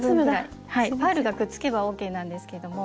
はいパールがくっつけばＯＫなんですけども。